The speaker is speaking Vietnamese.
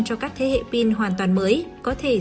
cho các thế hệ pin hoàn toàn nguy hiểm